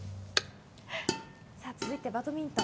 続いてバドミントン。